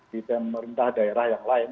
di pemerintah daerah yang lain